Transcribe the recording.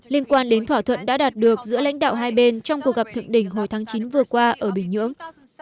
liên quan đến thỏa thuận đã đạt được giữa lãnh đạo hai bên trong cuộc gặp thượng đỉnh hồi tháng chín vừa qua ở bình nhưỡng